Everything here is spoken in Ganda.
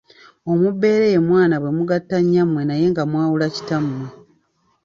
Omubbeere ye mwana bwe mugatta nnyammwe naye nga mwawula kitammwe.